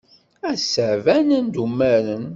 Ass-a, banen-d umaren.